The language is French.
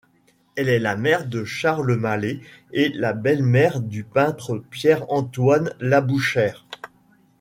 Elle est le mère de Charles Mallet et la belle-mère du peintre Pierre-Antoine Labouchère.